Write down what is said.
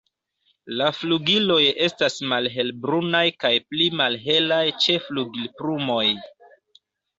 La flugiloj estas malhelbrunaj kaj pli malhelaj ĉe flugilplumoj.